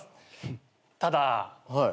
ただ。